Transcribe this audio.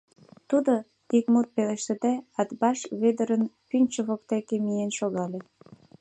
Тудо, ик мут пелештыде, Атбаш Вӧдырын пӱнчӧ воктеке миен шогале.